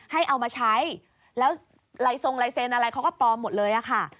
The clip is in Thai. ให้เอามาใช้แล้วลายทรงลายเซ็นอะไรเขาก็ปลอมหมดเลยอะค่ะ